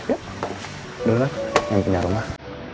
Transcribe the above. yaudah nyampingnya rumah